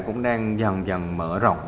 cũng đang dần dần mở rộng